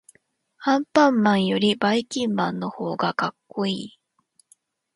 アンパンマンよりばいきんまんのほうがかっこいい。